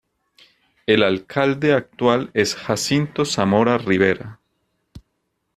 El alcalde actual es Jacinto Zamora Rivera.